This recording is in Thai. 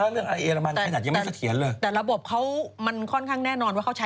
เมืองไทยก็ไม่น่าจะ๑๐๐